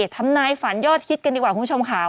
ทำนายฝันยอดฮิตกันดีกว่าคุณผู้ชมค่ะ